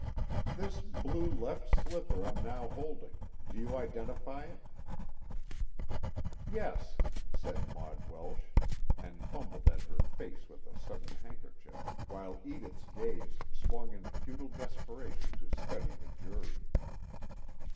"This blue left slipper I'm now holding. Do you identify it?" "Yes," said Maud Welsh, and fumbled at her face with a sodden handkerchief, while Edith's gaze swung in futile desperation to study the jury.